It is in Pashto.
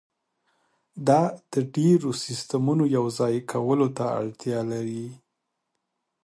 دا د ډیرو سیستمونو یوځای کولو ته اړتیا لري